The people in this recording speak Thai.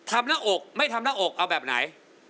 หน้าอกไม่ทำหน้าอกเอาแบบไหน